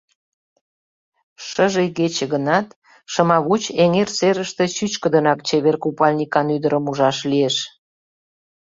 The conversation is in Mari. Шыже игече гынат, Шымавуч эҥер серыште чӱчкыдынак чевер купальникан ӱдырым ужаш лиеш.